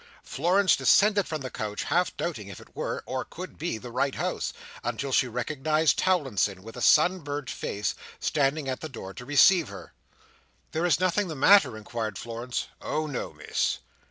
Florence descended from the coach, half doubting if it were, or could be the right house, until she recognised Towlinson, with a sun burnt face, standing at the door to receive her. "There is nothing the matter?" inquired Florence. "Oh no, Miss."